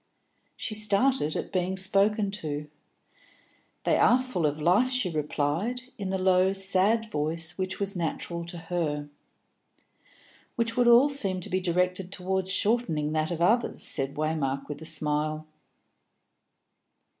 She started at being spoken to. "They are full of life," she replied, in the low sad voice which was natural to her. "Which would all seem to be directed towards shortening that of others," said Waymark, with a smile.